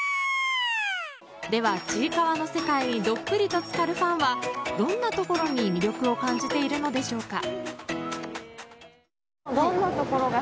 では、「ちいかわ」の世界にどっぷりと浸かるファンはどんなところに魅力を感じているのでしょうか。